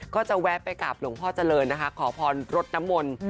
ก็จะแวะไปกราบหลวงพ่อเจริญนะคะขอพรรดน้ำมนต์